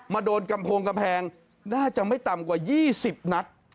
โดนกำโพงกำแพงน่าจะไม่ต่ำกว่า๒๐นัด